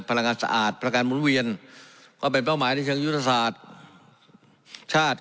พลังงานสะอาดพลังการหมุนเวียนก็เป็นเป้าหมายในเชิงยุทธศาสตร์ชาติ